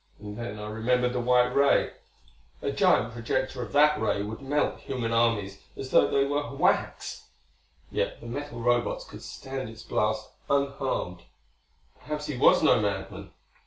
And then I remembered the white ray. A giant projector of that ray would melt human armies as though they were wax; yet the metal Robots could stand its blast unharmed. Perhaps he was no madman....